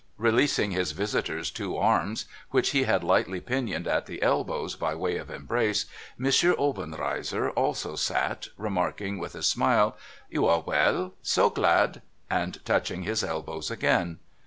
Releasing his visitor's two arms, which he had lightly pinioned at the elbows by way of embrace, M. Obenreizer also sat, remarking, with a smile :* You are well ? So glad !' and touching his elbows again.